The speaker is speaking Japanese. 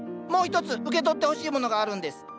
もう一つ受け取ってほしいものがあるんです。